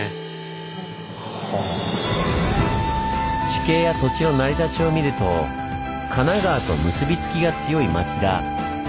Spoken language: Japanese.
地形や土地の成り立ちを見ると神奈川と結びつきが強い町田。